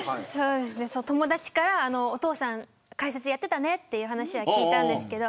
友達から、お父さん解説やっていたねという話は聞いたんですけど。